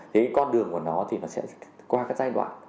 thế con đường của nó thì nó sẽ qua cái giai đoạn